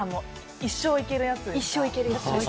一生いけるやつだ。